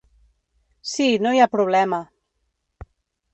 Si, no hi ha problema.